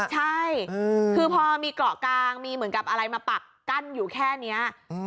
ใช่คือพอมีเกาะกลางมีเหมือนกับอะไรมาปักกั้นอยู่แค่นี้